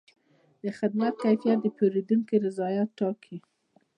د خدمت کیفیت د پیرودونکي رضایت ټاکي.